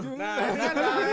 nah kena tuh tuh